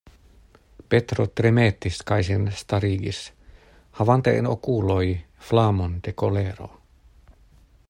Petro tremetis kaj sin starigis, havante en okuloj flamon de kolero.